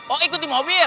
oh ikut di mobil